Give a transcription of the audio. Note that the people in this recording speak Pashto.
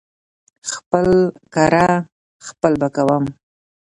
خپل کاره خپل به کوم .